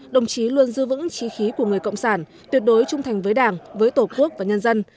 đồng chí luôn giữ vững trí khí của người cộng sản tuyệt đối trung thành với đảng với tổ quốc và nhân dân